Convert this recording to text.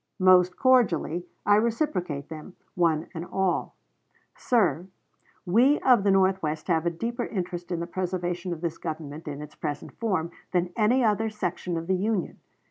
Most cordially I reciprocate them, one and all. Sir, we of the North west have a deeper interest in the preservation of this Government in its present form than any other section of the Union.